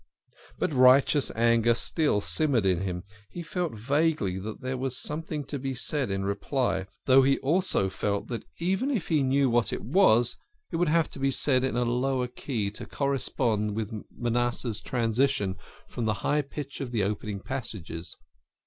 But righteous anger still simmered in him ; he felt vaguely that there was something to be said in reply, though he also felt that even if he knew what it was, it would have to be said in a lower key to correspond with Manasseh's transition from the high pitch of the opening passages.